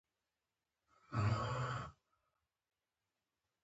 ښايي ما هم اروپا کې